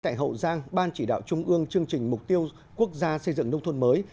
tại hậu giang ban chỉ đạo trung ương chương trình mục tiêu quốc gia xây dựng nông thôn mới